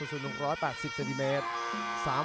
สุดสุด๑๘๐เซติเมตร